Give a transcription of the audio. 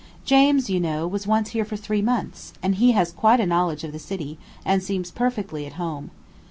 James, you know, was once here for three months; and he has quite a knowledge of the city, and seems perfectly at home.